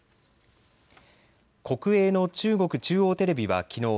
国営の中国中央テレビはきのう